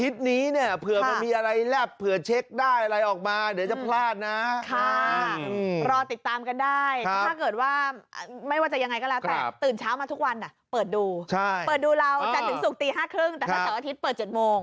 แต่เท่าสิ้นต้องเปิด๗โมง